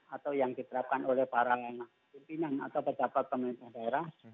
atau yang diterapkan oleh para pimpinan atau pejabat pemerintah daerah